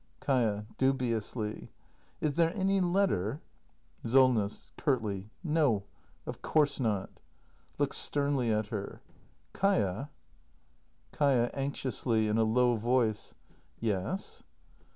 Kaia. [Dubiously.] Is there any letter ? Solness. [Curtly.] No, of course not. [Looks sternly at her.] Kaia! Kaia. [Anxiously, in a low voice.] Yes!